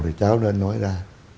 thì cháu nên nói ra